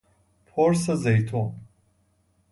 پرس زیتون